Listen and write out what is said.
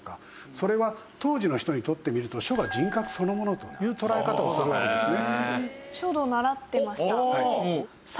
それは当時の人にとってみると書は人格そのものという捉え方をするわけですね。